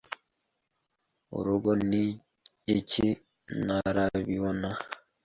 Urugo ni iki? Ntarabibona